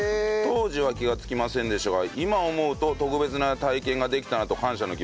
当時は気がつきませんでしたが今思うと特別な体験ができたなと感謝の気持ちです。